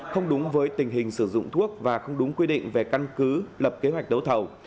không đúng với tình hình sử dụng thuốc và không đúng quy định về căn cứ lập kế hoạch đấu thầu